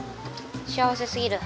幸せすぎる。